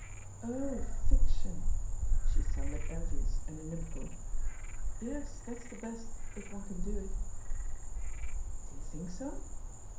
"Oh, fiction 1'* She sounded envious and in imical. "Yes, that's the best — ^if one can do it." "Do you think so?"